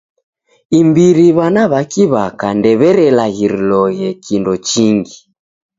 Imbiri w'ana w'a kiw'aka ndew'erelaghiriloghe kindo chingi.